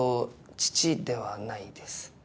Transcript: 父ではないです。